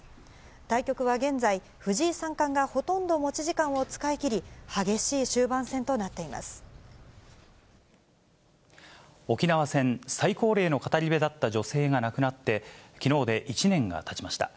対局は現在、藤井三冠がほとんど持ち時間を使い切り、沖縄戦、最高齢の語り部だった女性が亡くなって、きのうで１年がたちました。